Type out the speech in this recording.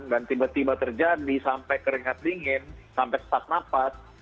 dan tiba tiba terjadi sampai keringat dingin sampai tak nafas